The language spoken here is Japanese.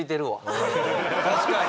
確かに。